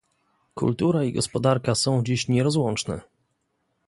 kultura i gospodarka są dziś nierozłączne